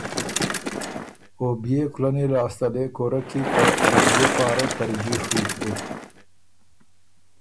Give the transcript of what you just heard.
او بيې کُلّنی لاسته لې کُورۀ کی ته ګديې پاره ترجیع ڒُوک بُک۔